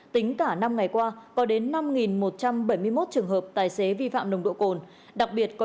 tính cả năm ngày qua có đến năm một trăm bảy mươi một trường hợp tài xế vi phạm nồng độ cồn